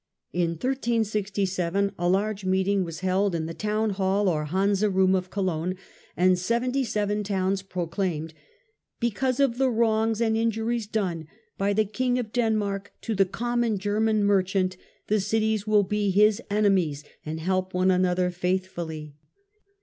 In 1367 a large meeting was held in the Town Hall or Hansa Boom of Cologne, and seventy seven towns proclaimed " because of the wrongs and injuries done by the King of Denmark to the common German merchant, the cities will be his enemies and help one another faithfully".